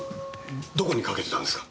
どこにかけてたんですか？